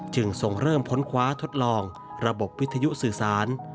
ทรงเริ่มพ้นคว้าทดลองระบบวิทยุสื่อสาร